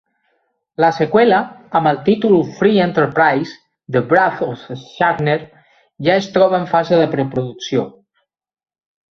La seqüela, amb el títol ""Free Enterprise: The Wrath of Shatner"" ja es troba en fase de preproducció.